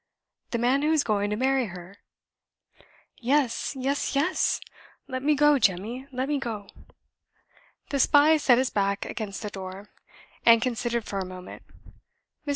"The man who is going to marry her." "Yes! yes! yes! Let me go, Jemmy let me go." The spy set his back against the door, and considered for a moment. Mr.